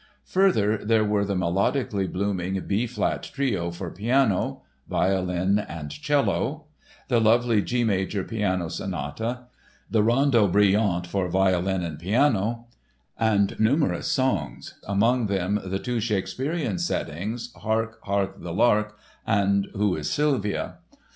Further, there were the melodically blooming B flat Trio for piano, violin and cello, the lovely G major piano sonata, the "Rondo Brilliant," for violin and piano and numerous songs, among them the two Shakespearean settings Hark, hark, the Lark and _Who is Sylvia?